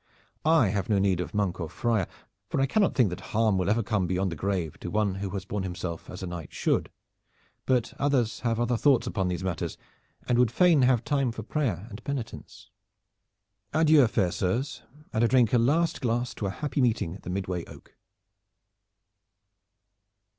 I have no need of monk or friar, for I cannot think that harm will ever come beyond the grave to one who has borne himself as a knight should, but others have other thoughts upon these matters and would fain have time for prayer and penitence. Adieu, fair sirs, and I drink a last glass to a happy meeting at the midway oak."